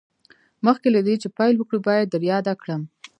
مخکې له دې چې پیل وکړو باید در یاده کړم